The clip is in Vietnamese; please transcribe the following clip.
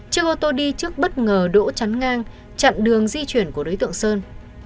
chiếc ô tô đi trước bất ngờ đỗ chắn ngang chặn đường di chuyển của đối tượng sơn